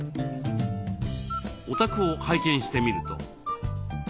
お宅を拝見してみると。